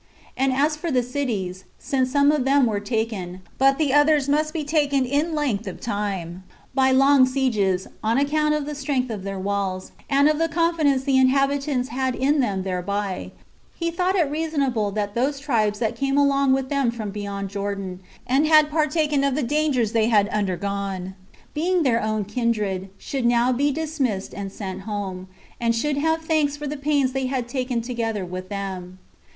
And as for the cities, since some of them were taken, but the others must be taken in length of time, by long sieges, both on account of the strength of their walls, and of the confidence the inhabitants had in them thereby, he thought it reasonable that those tribes that came along with them from beyond Jordan, and had partaken of the dangers they had undergone, being their own kindred, should now be dismissed and sent home, and should have thanks for the pains they had taken together with them.